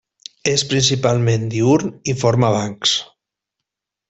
És principalment diürn i forma bancs.